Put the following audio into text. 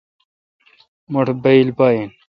مٹھ بایل پا این۔